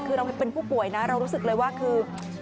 คือเราเป็นผู้ป่วยนะเรารู้สึกเลยว่าคือ